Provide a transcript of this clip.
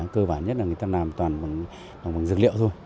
cơ bản nhất là người ta làm toàn bằng dược liệu thôi